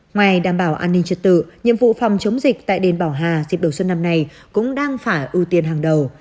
ngoài đảm bảo an ninh trật tự nhiệm vụ phòng chống dịch tại đền bảo hà dịp đầu xuân năm nay cũng đang phải ưu tiên hàng đầu